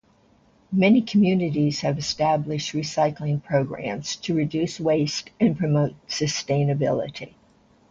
Many communities have established recycling programs to reduce waste and promote sustainability.